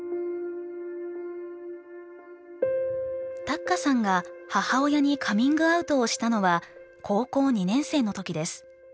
たっかさんが母親にカミングアウトをしたのは高校２年生の時です。